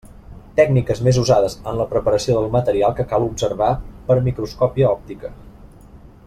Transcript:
Tècniques més usades en la preparació del material que cal observar per microscòpia òptica.